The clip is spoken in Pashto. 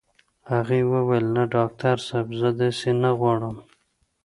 هغې وويل نه ډاکټر صاحب زه داسې نه غواړم.